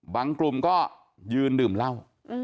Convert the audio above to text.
กลุ่มก็ยืนดื่มเหล้า